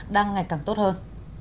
đang ngày càng tốt hơn